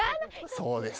そうです。